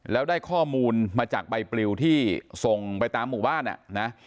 แล้วได้ข้อมูลมาจากใบปลิวที่ส่งไปตามหมู่บ้านอ่ะนะ